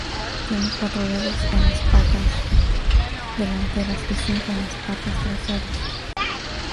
Tienen cuatro dedos en las patas delanteras y cinco en las patas traseras.